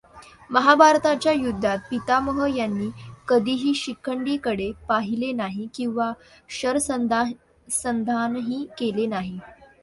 महाभारताच्या युध्दात पितामह यांनी कधीही शिखंडीकडे पाहीले नाही किंवा शरसंधानही केले नाही.